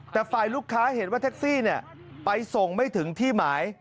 แต่ฝ่ายลูกค้าเห็นว่าแท็กซี่ไปส่งไม่ถึงที่หมาย